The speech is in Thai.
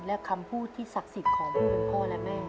และคำพูดที่ศักดิ์สินของพ่อและแม่